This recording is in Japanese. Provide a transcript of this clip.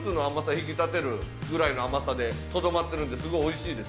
引き立てるぐらいの甘さでとどまってるんで、すごいおいしいです。